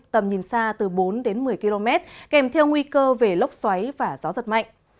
tầm nhìn xa từ bốn đến một mươi km kèm theo nguy cơ về lốc xoáy và gió giật mạnh